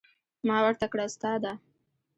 ما ورته کړه استاده.